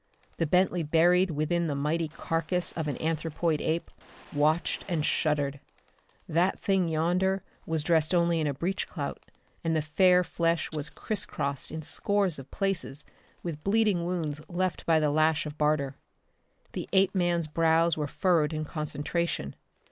The Bentley buried within the mighty carcass of an anthropoid ape watched and shuddered. That thing yonder was dressed only in a breech clout, and the fair flesh was criss crossed in scores of places with bleeding wounds left by the lash of Barter. The Apeman's brows were furrowed in concentration.